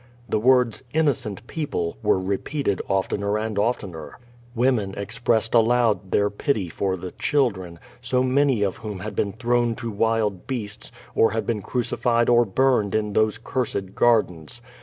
The words, "innocent people" were repeated oftener and oftener. Women expressed aloud their pity for the children, so many of whom had been thrown to wild beasts, or had been crucified or burned in those cursed gardens.